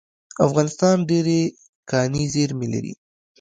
افغانستان ډیرې کاني زیرمې لري